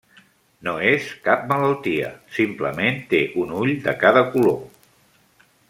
No és cap malaltia, simplement té un ull de cada color.